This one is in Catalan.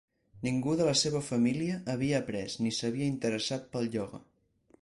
Ningú de la seva família havia après ni s'havia interessat pel ioga.